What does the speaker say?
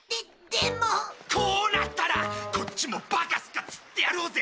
こうなったらこっちもバカスカ釣ってやろうぜ！